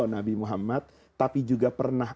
nabi muhammad tapi juga pernah